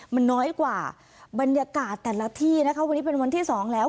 มันน้อยกว่าบรรยากาศแต่ละที่นะคะวันนี้เป็นวันที่สองแล้ว